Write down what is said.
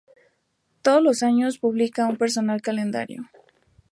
Todos los años publica un personal calendario.